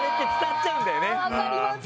分かります！